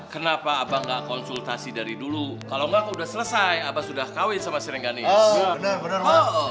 kenapa abang gak konsultasi dari dulu kalau enggak udah selesai abah sudah kawin sama seringganis bener bener